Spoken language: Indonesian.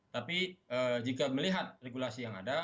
tapi jika melihat regulasi yang ada